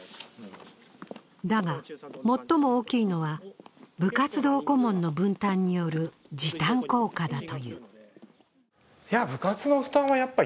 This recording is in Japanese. だが、最も大きいのは部活動顧問の分担による時短効果だという。